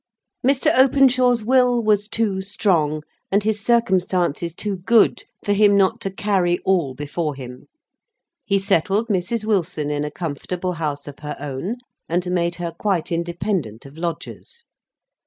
Mr. Openshaw's will was too strong, and his circumstances too good, for him not to carry all before him. He settled Mrs. Wilson in a comfortable house of her own, and made her quite independent of lodgers.